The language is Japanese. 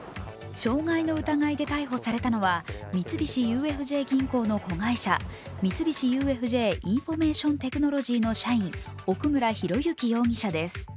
傷害の疑いで逮捕されたのは三菱ＵＦＪ銀行の子会社、三菱ＵＦＪインフォメーションテクノロジーの社員奥村啓志容疑者です。